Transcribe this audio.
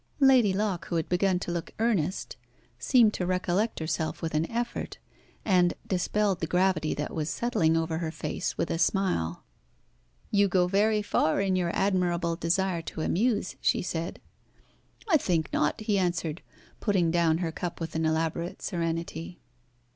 Lady Locke, who had begun to look earnest, seemed to recollect herself with an effort, and dispelled the gravity that was settling over her face with a smile. "You go very far in your admirable desire to amuse," she said. "I think not," he answered, putting down her cup with an elaborate serenity.